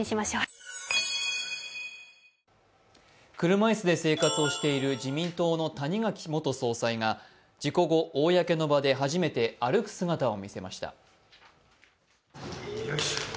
車椅子で生活をしている自民党の谷垣元総裁が事故後、公の場で初めて歩く姿を見せました。